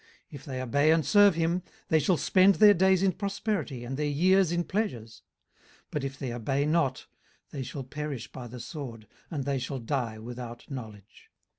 18:036:011 If they obey and serve him, they shall spend their days in prosperity, and their years in pleasures. 18:036:012 But if they obey not, they shall perish by the sword, and they shall die without knowledge.